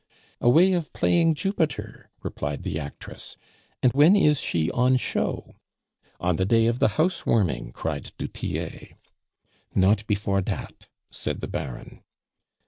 "A way of playing Jupiter?" replied the actress. "And when is she on show?" "On the day of the house warming," cried du Tillet. "Not before dat," said the Baron.